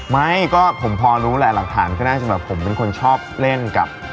ไม่ก็ผมพอรู้แหละหลักฐานก็น่าจะแบบผมเป็นคนชอบเล่นกับ